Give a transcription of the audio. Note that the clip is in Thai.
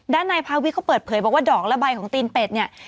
ด้านนายพาวิทย์เขาเปิดเผยบอกว่าดอกและใบของตีนเป็ดเนี่ย